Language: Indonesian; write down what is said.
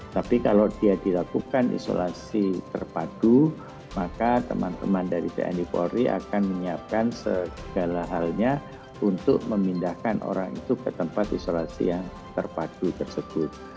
tapi kalau dia dilakukan isolasi terpadu maka teman teman dari tni polri akan menyiapkan segala halnya untuk memindahkan orang itu ke tempat isolasi yang terpadu tersebut